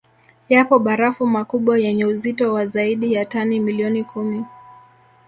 Yapo mabarafu makubwa yenye uzito wa zaidi ya tani milioni kumi